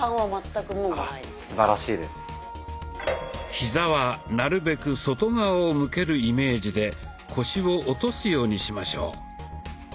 ヒザはなるべく外側を向けるイメージで腰を落とすようにしましょう。